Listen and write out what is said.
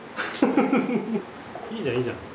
いいじゃんいいじゃん。